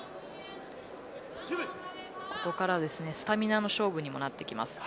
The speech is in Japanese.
ここからスタミナの勝負にもなってきます。